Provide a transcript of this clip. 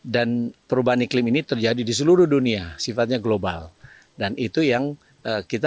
dan perubahan iklim ini terjadi di seluruh dunia sifatnya global dan itu yang kita